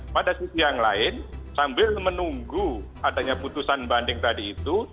pada sisi yang lain sambil menunggu adanya putusan banding tadi itu